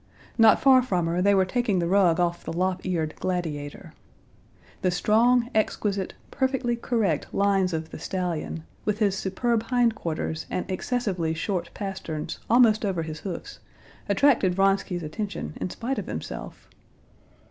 Not far from her they were taking the rug off the lop eared Gladiator. The strong, exquisite, perfectly correct lines of the stallion, with his superb hind quarters and excessively short pasterns almost over his hoofs, attracted Vronsky's attention in spite of himself.